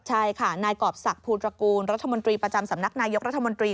ใช่ค่ะนายกรอบศักดิภูตระกูลรัฐมนตรีประจำสำนักนายกรัฐมนตรี